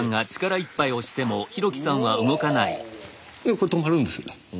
これ止まるんです。